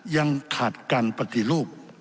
ยังขาดการปฏิรูป